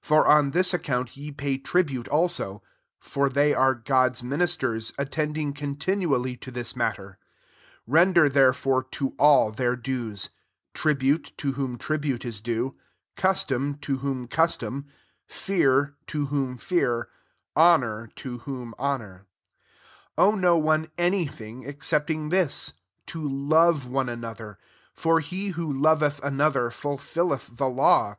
6 For on this account ye pay tribute also: for they are Grod's minis ters, attending continually to this matter. 7 Render there fore to all their dues: tribute, to whom tributes dueg custom, to whom custom ; fear, to whom fear ; honour, to whom honour : 8 Owe no one any thing, ex cepting this, tolove one another: for he who loveth another fiil filleth the law.